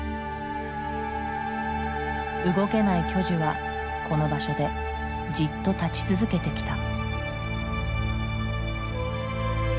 動けない巨樹はこの場所でじっと立ち続けてきた。